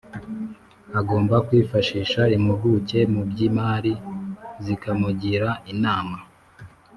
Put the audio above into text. Agomba kwifashisha impuguke mu by’imari zikamugira inama